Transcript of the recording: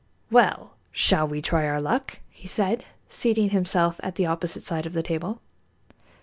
"Well, shall we try our luck?" he said, seating himself at the opposite side of the table.